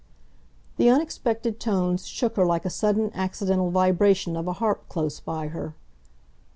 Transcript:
The unexpected tones shook her like a sudden accidental vibration of a harp close by her.